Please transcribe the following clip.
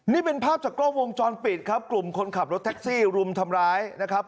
นี่เป็นภาพจากกล้องวงจรปิดครับกลุ่มคนขับรถแท็กซี่รุมทำร้ายนะครับ